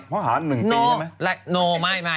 เพราะฮาร๑ปีใช่มั้ย